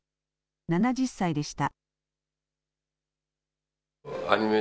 ７０歳でした。